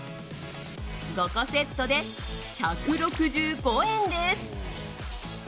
５個セットで１６５円です。